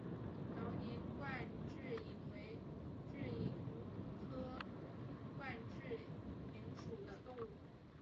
辽宁冠蛭蚓为蛭蚓科冠蛭蚓属的动物。